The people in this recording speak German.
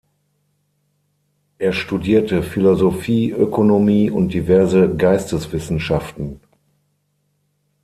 Er studierte Philosophie, Ökonomie und diverse Geisteswissenschaften.